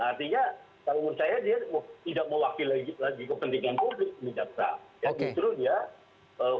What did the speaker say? artinya kalau menurut saya dia tidak mewakili lagi kepentingan publik di jakarta